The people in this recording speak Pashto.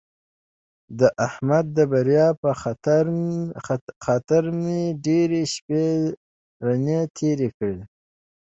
د احمد د بریا په خطر مې ډېرې شپې رڼې تېرې کړې.